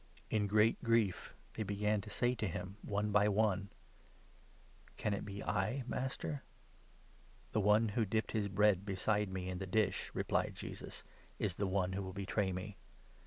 In great grief they began to say to him, one by one : "Can it be I, Master ?" "The one who dipped his bread beside me in the dish," replied Jesus, "is the one who will betray me.